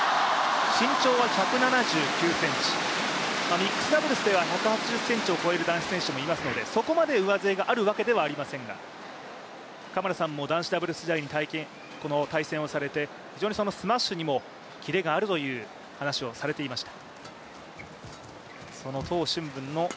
身長は１７９ｃｍ、ミックスダブルスでは１８０ｃｍを超える男子選手はいますのでそこまで上背があるわけではありませんが、嘉村さんも男子ダブルス時代に対戦をされて非常にスマッシュにもキレがあるという話をされていました。